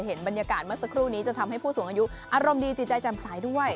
เห็นบรรยากาศเมื่อสักครู่นี้จะทำให้ผู้สูงอายุอารมณ์ดีจิตใจจำสายด้วย